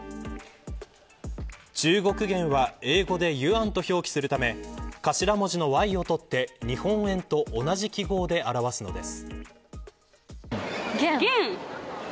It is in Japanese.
中国元は英語でＹＵＡＮと表記するため頭文字のＹを取って日本円と同じ記号で表すのです。